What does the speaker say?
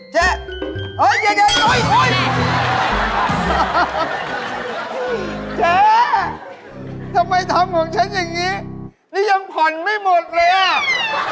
เจ๊โอ๊ยเจ๊โอ๊ยเจ๊ทำไมทำของฉันอย่างนี้นี่ยังผ่อนไม่หมดเลยอ่ะ